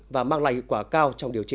và mang lại hiệu quả cao trong điều trị